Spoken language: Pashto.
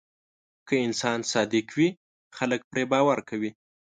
که انسان صادق وي، خلک پرې باور کوي.